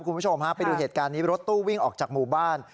คุณผู้ชมฮะไปดูเหตุการณ์นี้รถตู้วิ่งออกจากหมู่บ้าน